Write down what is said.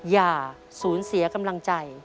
อย่าสูญเสียกำลังใจ